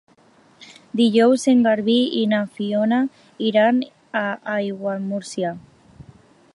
Dijous en Garbí i na Fiona iran a Aiguamúrcia.